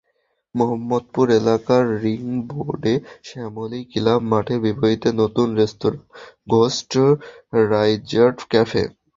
মোহাম্মদপুর এলাকার রিং রোডে শ্যামলী ক্লাব মাঠের বিপরীতে নতুন রেস্তোরাঁ ঘোস্ট রাইডারজ ক্যাফে।